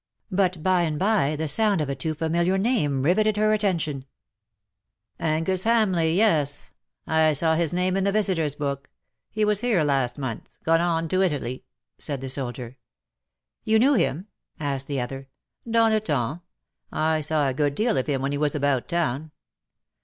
But by and by the sound of a too familiar name rivetted her attention, " Angus Hamleigh_, yes ! I saw his name in the visitor's book. He was here last month — gone on to Italy/^ said the soldier. " You knew him ?^^ asked the other. '^ Dans le temps. I saw a good deal of him when he was about town.